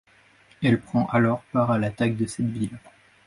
Elle prend alors part à l'attaque de cette ville.